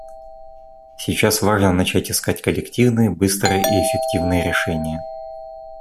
Сейчас важно начать искать коллективные, быстрые и эффективные решения.